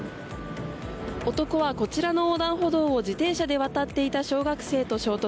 男はこちらの横断歩道を自転車で渡っていた小学生と衝突。